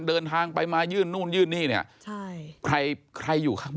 เมียแล้วคือดูเข้ากันดีครับ